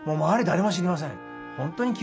誰も知りません。